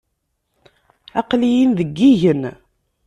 Aql-iyi deg yigen.